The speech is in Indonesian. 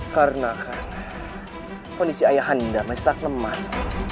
karena kan kondisi ayah anda masih sakit lemas